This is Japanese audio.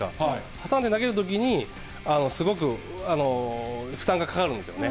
挟んで投げるときに、すごく負担がかかるんですよね。